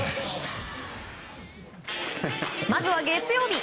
まずは月曜日。